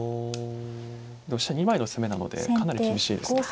でも飛車２枚の攻めなのでかなり厳しいですね。